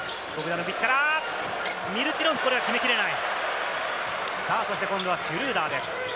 ミルチノフ、これは決めきれない。